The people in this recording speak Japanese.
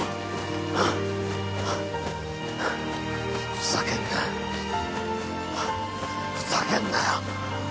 ふざけんなふざけんなよ